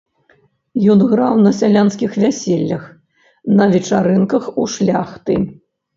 Ён граў на сялянскіх вяселлях, на вечарынках у шляхты.